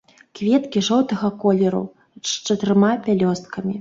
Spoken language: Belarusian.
Кветкі жоўтага колеру, з чатырма пялёсткамі.